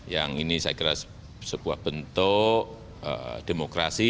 yang ini saya kira sebuah bentuk demokrasi